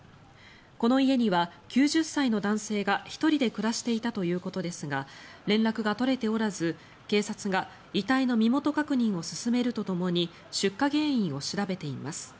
この家には９０歳の男性が１人で暮らしていたということですが連絡が取れておらず、警察が遺体の身元確認を進めるとともに出火原因を調べています。